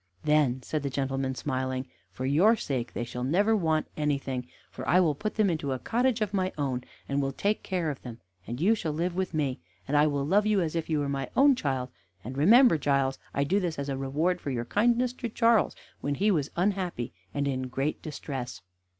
"Then," said the gentleman smiling, "for your sake they shall never want anything, for I will put them into a cottage of my own, and will take care of them, and you shall live with me, and I will love you as if you were my own child, and remember, Giles, I do this as a reward for your kindness to Charles when he was unhappy and in great distress."